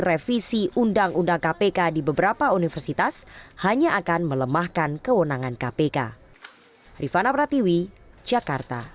revisi undang undang kpk di beberapa universitas hanya akan melemahkan kewenangan kpk